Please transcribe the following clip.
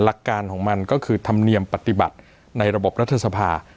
หลักการของมันก็คือธรรมเนียมปฏิบัติในระบบรัฐสภา